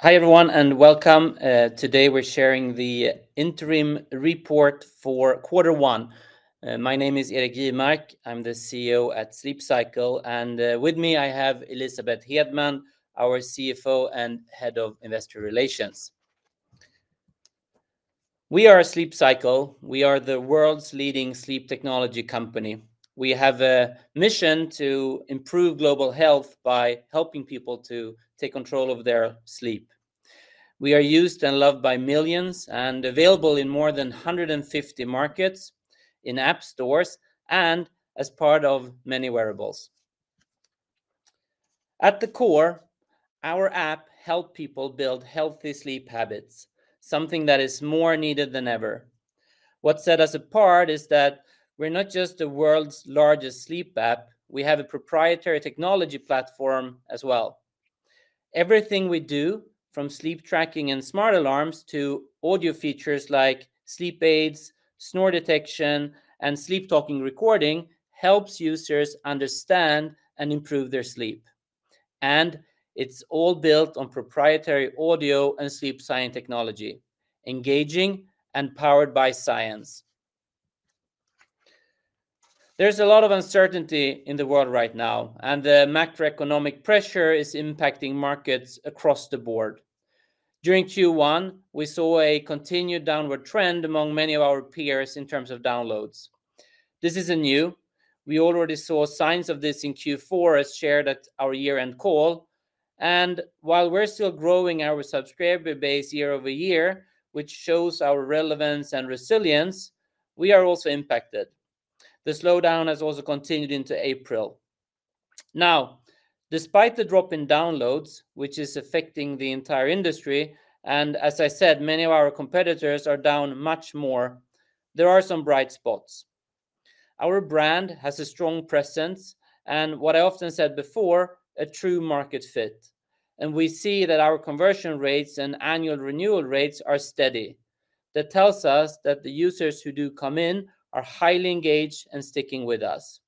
Hi everyone, and welcome. Today we're sharing the interim report for Q1. My name is Erik Jivmark. I'm the CEO at Sleep Cycle, and with me I have Elisabeth Hedman, our CFO and Head of Investor Relations. We are Sleep Cycle. We are the world's leading sleep technology company. We have a mission to improve global health by helping people to take control of their sleep. We are used and loved by millions and available in more than 150 markets, in app stores, and as part of many wearables. At the core, our app helps people build healthy sleep habits, something that is more needed than ever. What sets us apart is that we're not just the world's largest sleep app; we have a proprietary technology platform as well. Everything we do, from sleep tracking and smart alarms to audio features like sleep aids, snore detection, and sleep talking recording, helps users understand and improve their sleep. It is all built on proprietary audio and sleep science technology, engaging and powered by science. There is a lot of uncertainty in the world right now, and the macroeconomic pressure is impacting markets across the board. During Q1, we saw a continued downward trend among many of our peers in terms of downloads. This is not new. We already saw signs of this in Q4, as shared at our year-end call. While we are still growing our subscriber base year-over-year, which shows our relevance and resilience, we are also impacted. The slowdown has also continued into April. Now, despite the drop in downloads, which is affecting the entire industry, and as I said, many of our competitors are down much more, there are some bright spots. Our brand has a strong presence, and what I often said before, a true market fit. We see that our conversion rates and annual renewal rates are steady. That tells us that the users who do come in are highly engaged and sticking with us.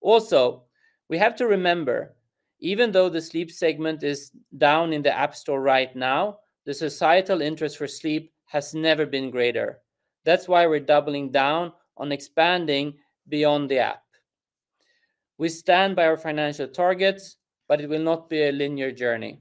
Also, we have to remember, even though the sleep segment is down in the App Store right now, the societal interest for sleep has never been greater. That is why we are doubling down on expanding beyond the app. We stand by our financial targets, but it will not be a linear journey.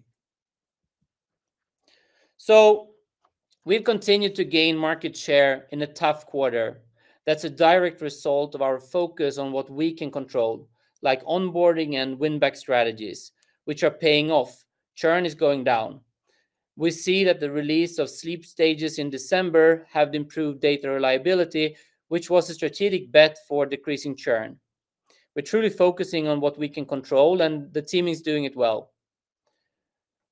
We have continued to gain market share in a tough quarter. That's a direct result of our focus on what we can control, like onboarding and win-back strategies, which are paying off. Churn is going down. We see that the release of Sleep Stages in December has improved data reliability, which was a strategic bet for decreasing churn. We're truly focusing on what we can control, and the team is doing it well.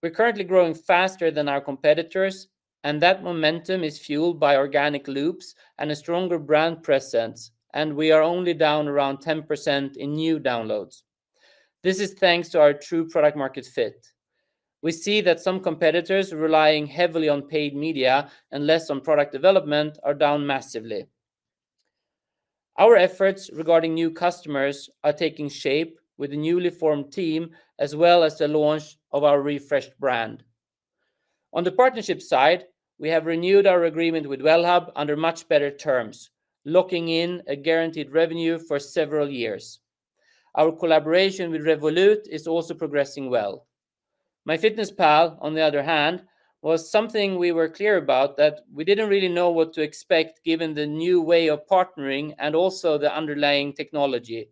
We're currently growing faster than our competitors, and that momentum is fueled by organic loops and a stronger brand presence, and we are only down around 10% in new downloads. This is thanks to our true product-market fit. We see that some competitors relying heavily on paid media and less on product development are down massively. Our efforts regarding new customers are taking shape with a newly formed team, as well as the launch of our refreshed brand. On the partnership side, we have renewed our agreement with Wellhub under much better terms, locking in a guaranteed revenue for several years. Our collaboration with Revolut is also progressing well. MyFitnessPal, on the other hand, was something we were clear about that we did not really know what to expect given the new way of partnering and also the underlying technology.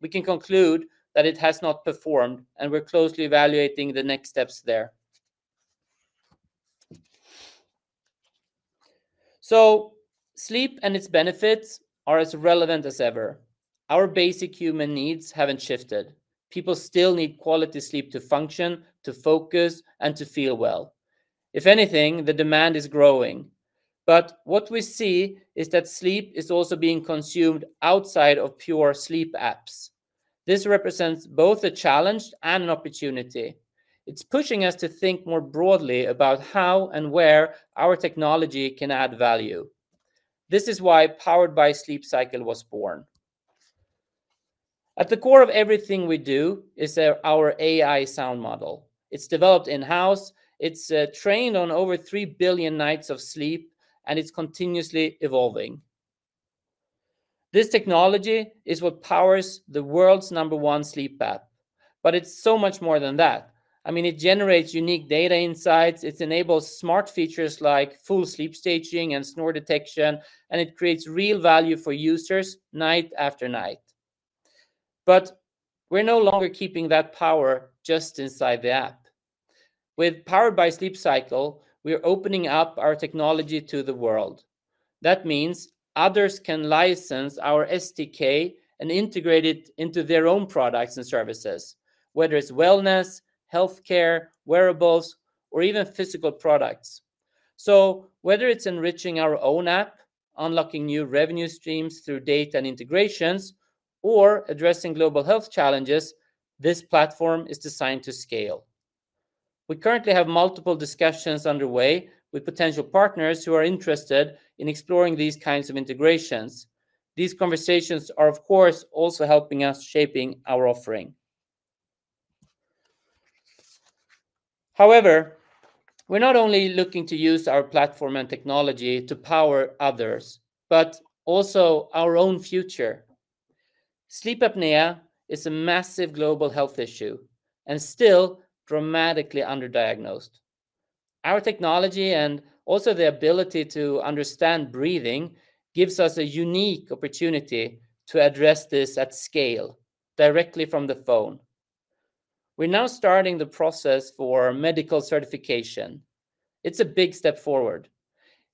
We can conclude that it has not performed, and we are closely evaluating the next steps there. Sleep and its benefits are as relevant as ever. Our basic human needs have not shifted. People still need quality sleep to function, to focus, and to feel well. If anything, the demand is growing. What we see is that sleep is also being consumed outside of pure sleep apps. This represents both a challenge and an opportunity. It's pushing us to think more broadly about how and where our technology can add value. This is why Powered by Sleep Cycle was born. At the core of everything we do is our AI sound model. It's developed in-house. It's trained on over 3 billion nights of sleep, and it's continuously evolving. This technology is what powers the world's number one sleep app. I mean, it generates unique data insights. It enables smart features like full sleep staging and snore detection, and it creates real value for users night after night. We're no longer keeping that power just inside the app. With Powered by Sleep Cycle, we're opening up our technology to the world. That means others can license our SDK and integrate it into their own products and services, whether it's wellness, healthcare, wearables, or even physical products. Whether it is enriching our own app, unlocking new revenue streams through data and integrations, or addressing global health challenges, this platform is designed to scale. We currently have multiple discussions underway with potential partners who are interested in exploring these kinds of integrations. These conversations are, of course, also helping us shape our offering. However, we are not only looking to use our platform and technology to power others, but also our own future. Sleep apnea is a massive global health issue and still dramatically underdiagnosed. Our technology and also the ability to understand breathing gives us a unique opportunity to address this at scale, directly from the phone. We are now starting the process for medical certification. It is a big step forward.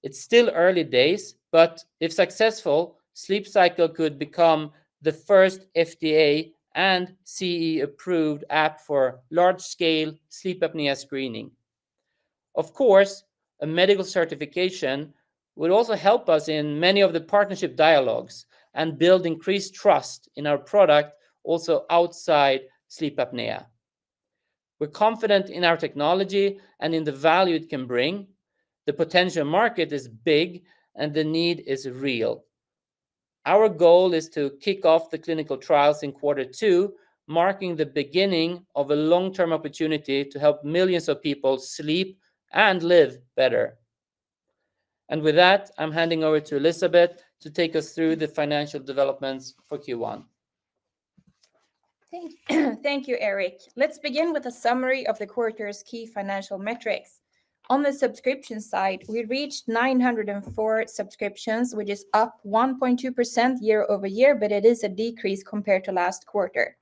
It is still early days, but if successful, Sleep Cycle could become the first FDA and CE-approved app for large-scale sleep apnea screening. Of course, a medical certification would also help us in many of the partnership dialogues and build increased trust in our product also outside sleep apnea. We're confident in our technology and in the value it can bring. The potential market is big, and the need is real. Our goal is to kick off the clinical trials in Q2, marking the beginning of a long-term opportunity to help millions of people sleep and live better. With that, I'm handing over to Elisabeth to take us through the financial developments for Q1. Thank you, Erik. Let's begin with a summary of the quarter's key financial metrics. On the subscription side, we reached 904,000 subscriptions, which is up 1.2% year over year, but it is a decrease compared to last quarter.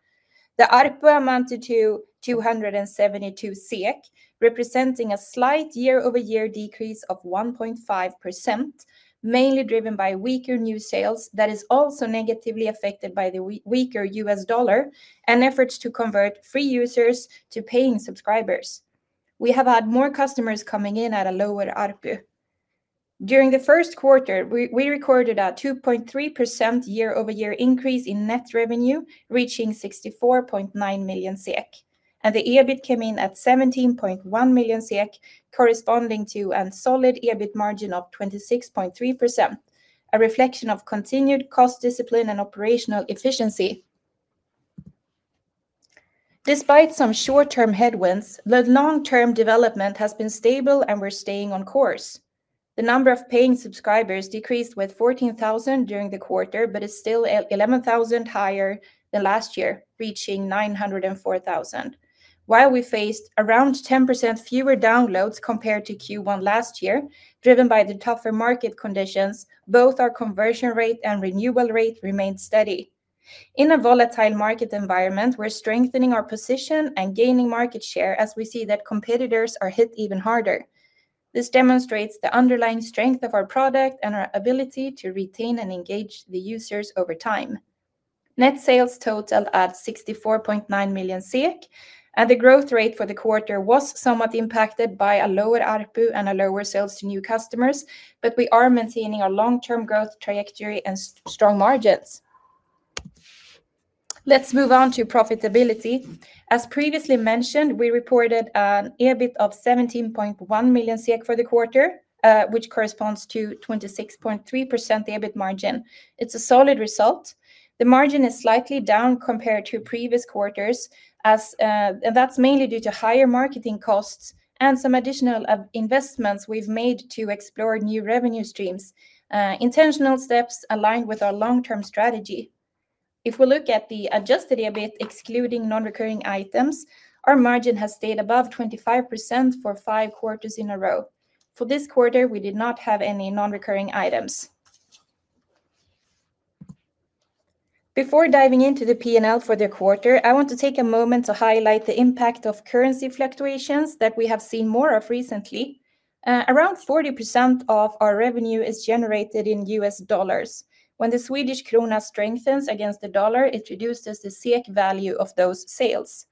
The ARPU amounted to 272, representing a slight year-over-year decrease of 1.5%, mainly driven by weaker new sales that is also negatively affected by the weaker US dollar and efforts to convert free users to paying subscribers. We have had more customers coming in at a lower ARPU. During the first quarter, we recorded a 2.3% year-over-year increase in net revenue, reaching 64.9 million SEK, and the EBIT came in at 17.1 million SEK, corresponding to a solid EBIT margin of 26.3%, a reflection of continued cost discipline and operational efficiency. Despite some short-term headwinds, the long-term development has been stable, and we're staying on course. The number of paying subscribers decreased by 14,000 during the quarter, but is still 11,000 higher than last year, reaching 904,000. While we faced around 10% fewer downloads compared to Q1 last year, driven by the tougher market conditions, both our conversion rate and renewal rate remained steady. In a volatile market environment, we are strengthening our position and gaining market share as we see that competitors are hit even harder. This demonstrates the underlying strength of our product and our ability to retain and engage the users over time. Net sales totaled at 64.9 million SEK, and the growth rate for the quarter was somewhat impacted by a lower ARPU and a lower sales to new customers, but we are maintaining our long-term growth trajectory and strong margins. Let's move on to profitability. As previously mentioned, we reported an EBIT of 17.1 million for the quarter, which corresponds to a 26.3% EBIT margin. It's a solid result. The margin is slightly down compared to previous quarters, and that's mainly due to higher marketing costs and some additional investments we've made to explore new revenue streams, intentional steps aligned with our long-term strategy. If we look at the adjusted EBIT, excluding non-recurring items, our margin has stayed above 25% for five quarters in a row. For this quarter, we did not have any non-recurring items. Before diving into the P&L for the quarter, I want to take a moment to highlight the impact of currency fluctuations that we have seen more of recently. Around 40% of our revenue is generated in US dollars. When the Swedish krona strengthens against the dollar, it reduces the SEK value of those sales.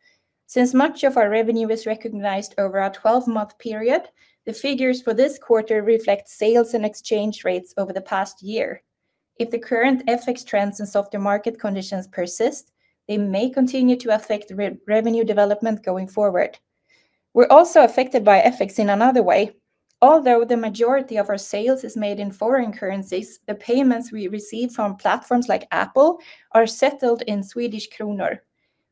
Since much of our revenue is recognized over a 12-month period, the figures for this quarter reflect sales and exchange rates over the past year. If the current FX trends and softer market conditions persist, they may continue to affect revenue development going forward. We are also affected by FX in another way. Although the majority of our sales is made in foreign currencies, the payments we receive from platforms like Apple are settled in Swedish krona.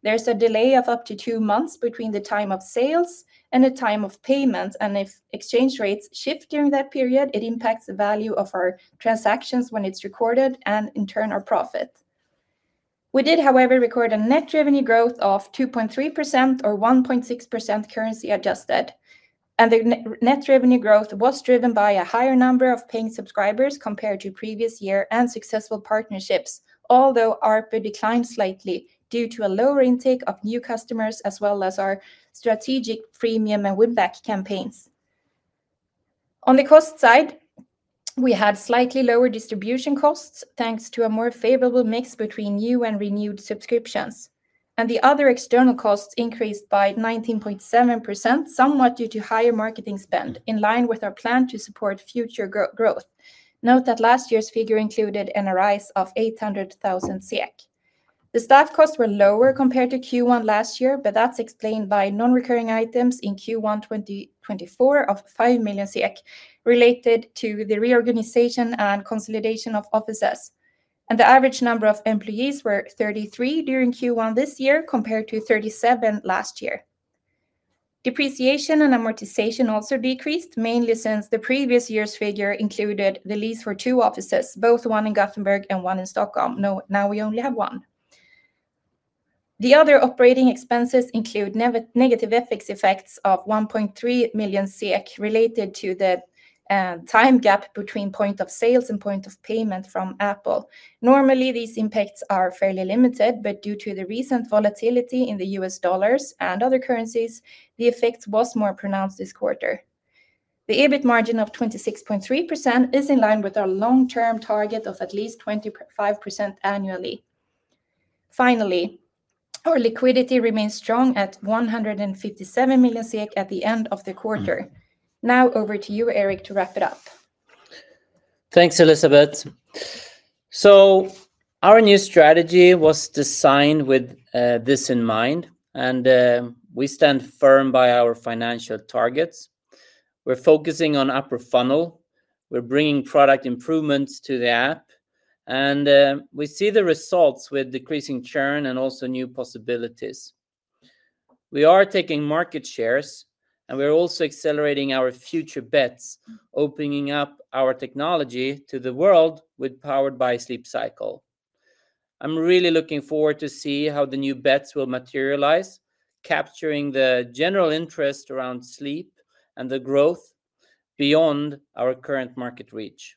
There is a delay of up to two months between the time of sales and the time of payments, and if exchange rates shift during that period, it impacts the value of our transactions when it is recorded and, in turn, our profit. We did, however, record a net revenue growth of 2.3% or 1.6% currency adjusted. The net revenue growth was driven by a higher number of paying subscribers compared to previous year and successful partnerships, although ARPU declined slightly due to a lower intake of new customers as well as our strategic premium and win-back campaigns. On the cost side, we had slightly lower distribution costs thanks to a more favorable mix between new and renewed subscriptions. The other external costs increased by 19.7%, somewhat due to higher marketing spend, in line with our plan to support future growth. Note that last year's figure included a rise of 800,000. The staff costs were lower compared to Q1 last year, but that's explained by non-recurring items in Q1 2024 of 5 million related to the reorganization and consolidation of offices. The average number of employees were 33 during Q1 this year compared to 37 last year. Depreciation and amortization also decreased, mainly since the previous year's figure included the lease for two offices, both one in Gothenburg and one in Stockholm. Now we only have one. The other operating expenses include negative FX effects of 1.3 million SEK related to the time gap between point of sales and point of payment from Apple. Normally, these impacts are fairly limited, but due to the recent volatility in the US dollar and other currencies, the effect was more pronounced this quarter. The EBIT margin of 26.3% is in line with our long-term target of at least 25% annually. Finally, our liquidity remains strong at 157 million at the end of the quarter. Now over to you, Erik, to wrap it up. Thanks, Elisabeth. Our new strategy was designed with this in mind, and we stand firm by our financial targets. We're focusing on upper funnel. We're bringing product improvements to the app, and we see the results with decreasing churn and also new possibilities. We are taking market shares, and we're also accelerating our future bets, opening up our technology to the world with Powered by Sleep Cycle. I'm really looking forward to seeing how the new bets will materialize, capturing the general interest around sleep and the growth beyond our current market reach.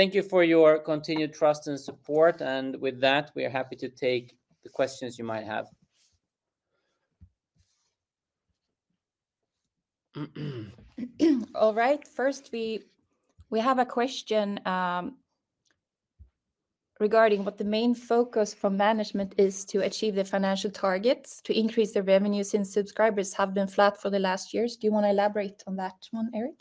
Thank you for your continued trust and support, and with that, we are happy to take the questions you might have. All right, first, we have a question regarding what the main focus for management is to achieve the financial targets to increase the revenue since subscribers have been flat for the last years. Do you want to elaborate on that one, Erik?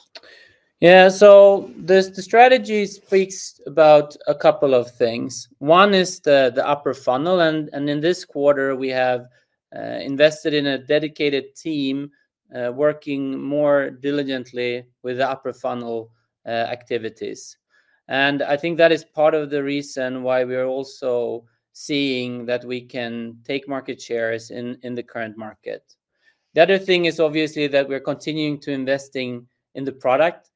Yeah, the strategy speaks about a couple of things. One is the upper funnel, and in this quarter, we have invested in a dedicated team working more diligently with the upper funnel activities. I think that is part of the reason why we are also seeing that we can take market shares in the current market. The other thing is obviously that we're continuing to invest in the product.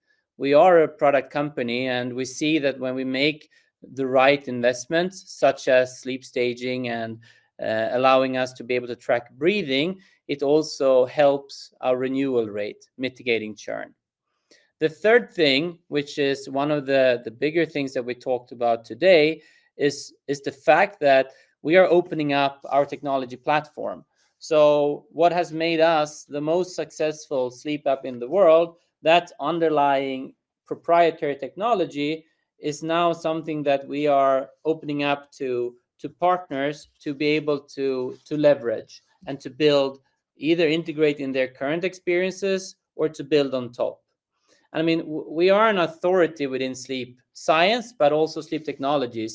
We are a product company, and we see that when we make the right investments, such as sleep staging and allowing us to be able to track breathing, it also helps our renewal rate, mitigating churn. The third thing, which is one of the bigger things that we talked about today, is the fact that we are opening up our technology platform. What has made us the most successful sleep app in the world, that underlying proprietary technology, is now something that we are opening up to partners to be able to leverage and to build, either integrate in their current experiences or to build on top. I mean, we are an authority within sleep science, but also sleep technology.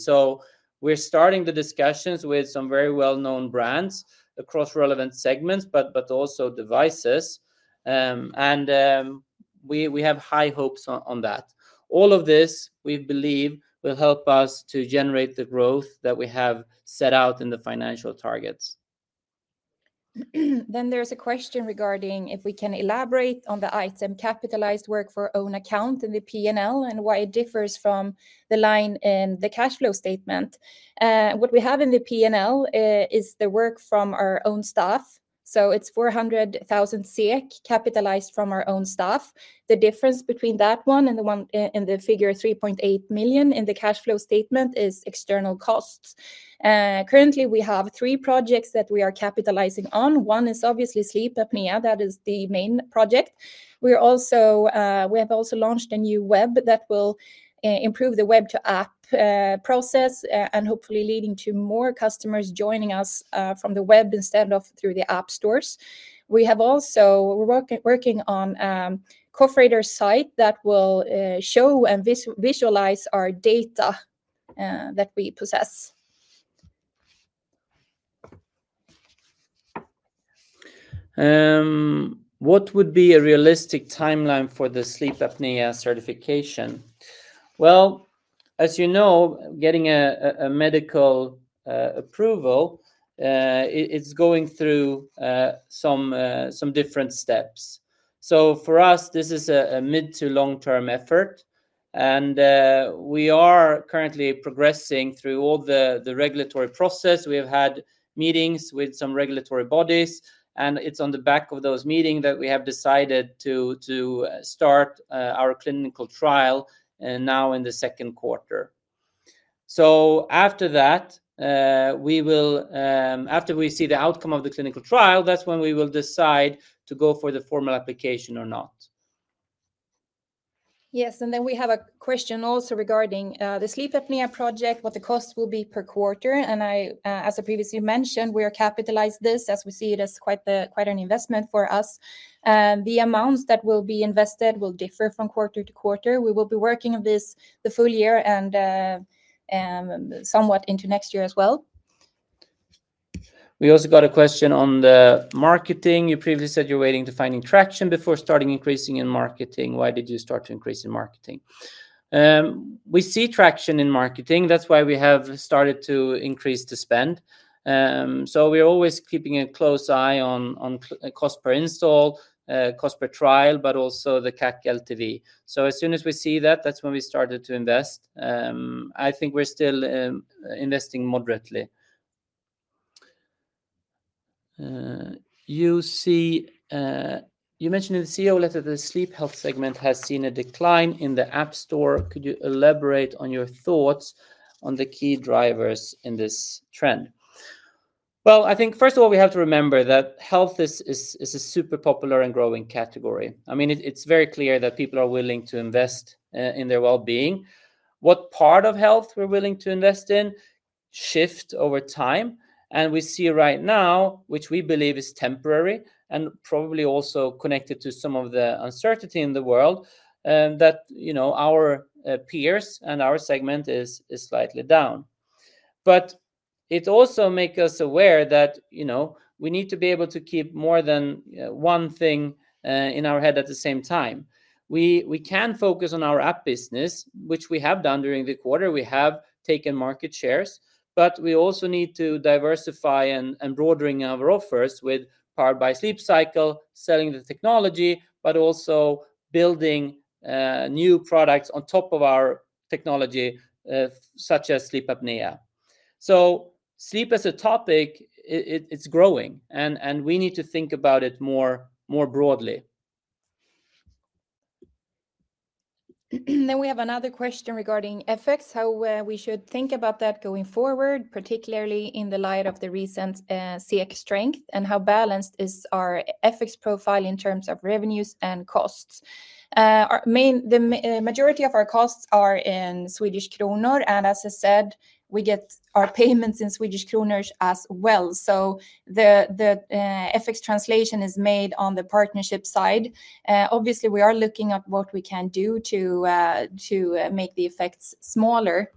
We are starting the discussions with some very well-known brands across relevant segments, but also devices, and we have high hopes on that. All of this, we believe, will help us to generate the growth that we have set out in the financial targets. There is a question regarding if we can elaborate on the item capitalized work for own account in the P&L and why it differs from the line in the cash flow statement? What we have in the P&L is the work from our own staff. So it is 400,000 capitalized from our own staff. The difference between that one and the figure 3.8 million in the cash flow statement is external costs. Currently, we have three projects that we are capitalizing on. One is obviously sleep apnea. That is the main project. We have also launched a new web that will improve the web to app process and hopefully leading to more customers joining us from the web instead of through the app stores. We have also been working on a Cough Radar site that will show and visualize our data that we possess. What would be a realistic timeline for the sleep apnea certification? Well, as you know, getting a medical approval, it's going through some different steps. For us, this is a mid to long-term effort, and we are currently progressing through all the regulatory process. We have had meetings with some regulatory bodies, and it is on the back of those meetings that we have decided to start our clinical trial now in the second quarter. After that, after we see the outcome of the clinical trial, that is when we will decide to go for the formal application or not. Yes, we have a question also regarding the sleep apnea project, what the cost will be per quarter? As I previously mentioned, we are capitalizing this as we see it as quite an investment for us. The amounts that will be invested will differ from quarter to quarter. We will be working on this the full year and somewhat into next year as well. We also got a question on the marketing. You previously said you're waiting to find traction before starting increasing in marketing. Why did you start to increase in marketing? We see traction in marketing. That's why we have started to increase the spend. We are always keeping a close eye on cost per install, cost per trial, but also the CAC, LTV. As soon as we see that, that's when we started to invest. I think we're still investing moderately. You mentioned in the CEO letter that the sleep health segment has seen a decline in the App Store, could you elaborate on your thoughts on the key drivers in this trend? I think first of all, we have to remember that health is a super popular and growing category. I mean, it's very clear that people are willing to invest in their well-being. What part of health we're willing to invest in shifts over time, and we see right now, which we believe is temporary and probably also connected to some of the uncertainty in the world, that our peers and our segment is slightly down. It also makes us aware that we need to be able to keep more than one thing in our head at the same time. We can focus on our app business, which we have done during the quarter. We have taken market shares, but we also need to diversify and broaden our offers with Powered by Sleep Cycle, selling the technology, but also building new products on top of our technology, such as sleep apnea. Sleep as a topic, it's growing, and we need to think about it more broadly. We have another question regarding FX, how we should think about that going forward, particularly in the light of the recent SEK strength, and how balanced is our FX profile in terms of revenues and costs. The majority of our costs are in Swedish krona, and as I said, we get our payments in Swedish Krona as well. The FX translation is made on the partnership side. Obviously, we are looking at what we can do to make the effects smaller.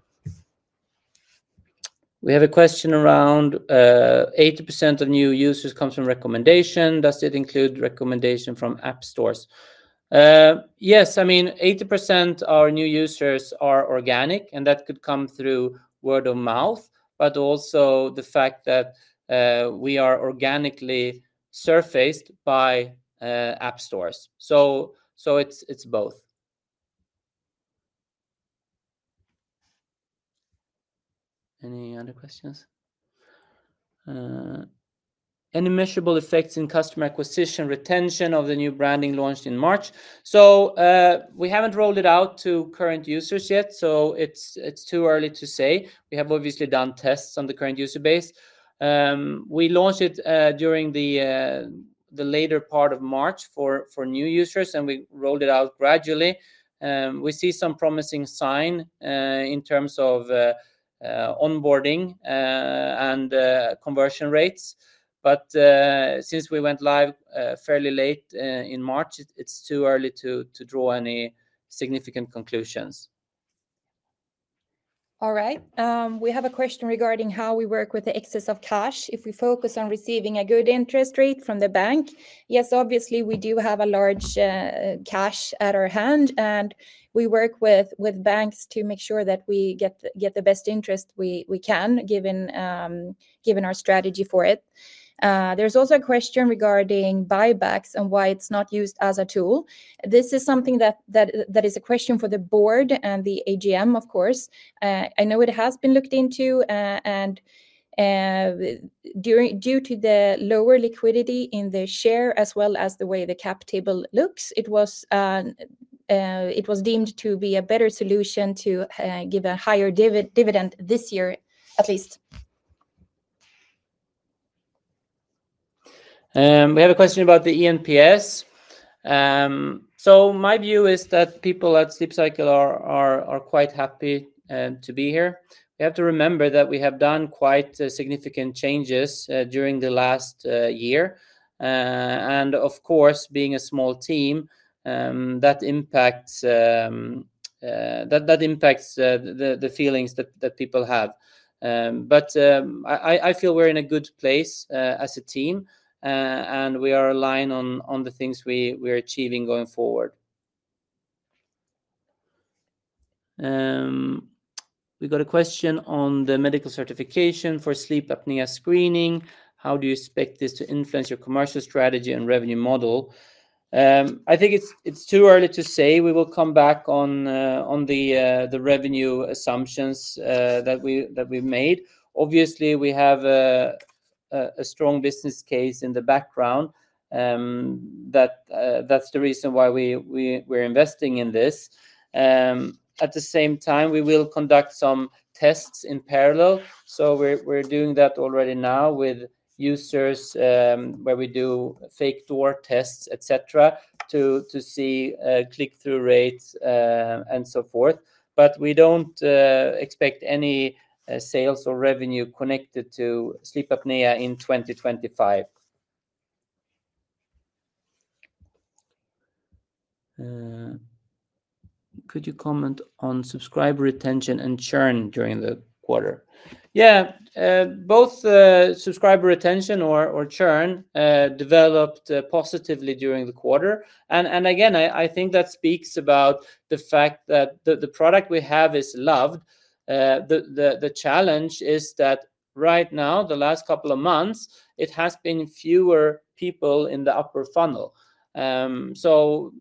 We have a question around 80% of new users come from recommendation. Does it include recommendation from app stores? Yes, I mean, 80% of our new users are organic, and that could come through word of mouth, but also the fact that we are organically surfaced by app stores, so it is both. Any other questions? Any measurable effects in customer acquisition retention of the new branding launched in March? We have not rolled it out to current users yet, so it is too early to say. We have obviously done tests on the current user base. We launched it during the later part of March for new users, and we rolled it out gradually. We see some promising signs in terms of onboarding and conversion rates, but since we went live fairly late in March, it is too early to draw any significant conclusions. All right, we have a question regarding how we work with the excess of cash if we focus on receiving a good interest rate from the bank? Yes, obviously, we do have a large cash at our hand, and we work with banks to make sure that we get the best interest we can, given our strategy for it. There is also a question regarding buybacks and why it is not used as a tool? This is something that is a question for the board and the AGM, of course. I know it has been looked into, and due to the lower liquidity in the share as well as the way the cap table looks, it was deemed to be a better solution to give a higher dividend this year, at least. We have a question about the eNPS. My view is that people at Sleep Cycle are quite happy to be here. We have to remember that we have done quite significant changes during the last year, and of course, being a small team, that impacts the feelings that people have. I feel we're in a good place as a team, and we are aligned on the things we are achieving going forward. We got a question on the medical certification for sleep apnea screening. How do you expect this to influence your commercial strategy and revenue model? I think it's too early to say. We will come back on the revenue assumptions that we've made. Obviously, we have a strong business case in the background. That's the reason why we're investing in this. At the same time, we will conduct some tests in parallel. We're doing that already now with users where we do fake door tests, etc., to see click-through rates and so forth. We do not expect any sales or revenue connected to sleep apnea in 2025. Could you comment on subscriber retention and churn during the quarter? Yeah, both subscriber retention or churn developed positively during the quarter. I think that speaks about the fact that the product we have is loved. The challenge is that right now, the last couple of months, it has been fewer people in the upper funnel. That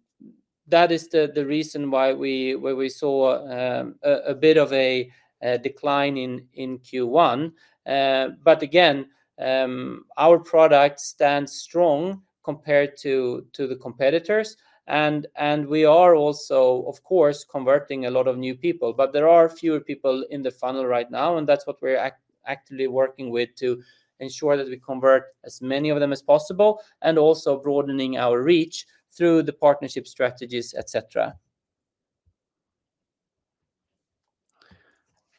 is the reason why we saw a bit of a decline in Q1. Again, our product stands strong compared to the competitors, and we are also, of course, converting a lot of new people, but there are fewer people in the funnel right now, and that is what we are actively working with to ensure that we convert as many of them as possible and also broadening our reach through the partnership strategies, etc.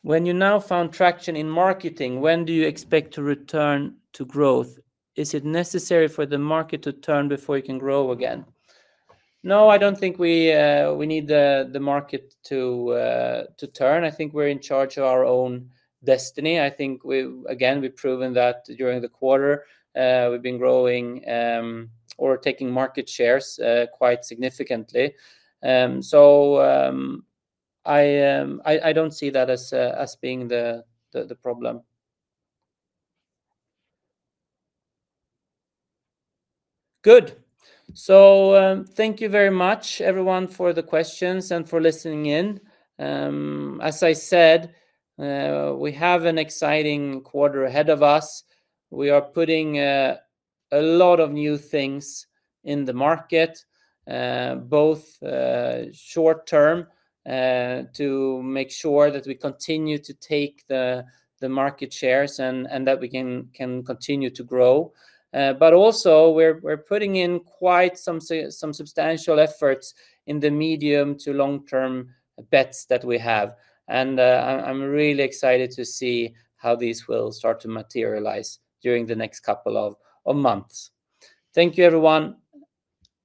When you now found traction in marketing, when do you expect to return to growth? Is it necessary for the market to turn before you can grow again? No, I do not think we need the market to turn. I think we are in charge of our own destiny. I think, again, we have proven that during the quarter, we have been growing or taking market shares quite significantly. I do not see that as being the problem. Good. Thank you very much, everyone, for the questions and for listening in. As I said, we have an exciting quarter ahead of us. We are putting a lot of new things in the market, both short-term to make sure that we continue to take the market shares and that we can continue to grow. But also, we are also putting in quite some substantial efforts in the medium to long-term bets that we have. I am really excited to see how these will start to materialize during the next couple of months. Thank you, everyone.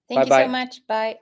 Thank you so much. Bye.